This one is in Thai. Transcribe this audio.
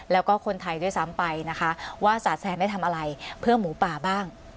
แล้วก็คนไทยด้วยซ้ำไปนะคะว่าจ๋าแซมได้ทำอะไรเพื่อหมูป่าบ้าง